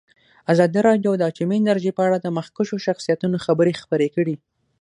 ازادي راډیو د اټومي انرژي په اړه د مخکښو شخصیتونو خبرې خپرې کړي.